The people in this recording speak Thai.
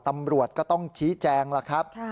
ตำรวจก็ต้องชี้แจงล่ะครับ